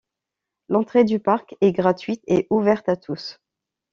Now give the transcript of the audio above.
L’entrée du parc est gratuite et ouverte à tous.